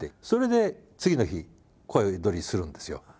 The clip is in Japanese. それで次の日声録りするんですよ。